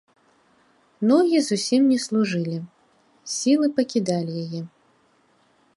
Ногі зусім не служылі, сілы пакідалі яе.